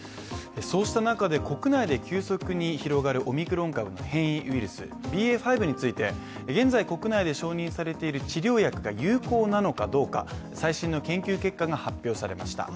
そうした中で国内で急速に広がるオミクロン株の変異ウイルス、ＢＡ．５について現在、国内で承認されている治療薬が有効なのかどうか、最新の研究結果が発表されました。